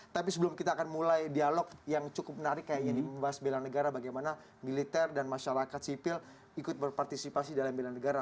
tapi sebelum kita akan mulai dialog yang cukup menarik kayaknya di membahas bela negara bagaimana militer dan masyarakat sipil ikut berpartisipasi dalam bela negara